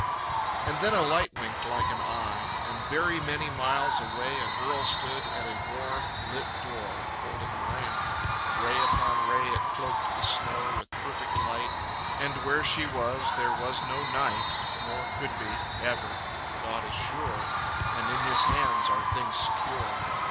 And then a light winked like an eye. ... And very many miles away A girl stood at a warm, lit door, Holding a lamp. Ray upon ray It cloaked the snow with perfect light. And where she was there was no night Nor could be, ever. God is sure, And in his hands are things secure.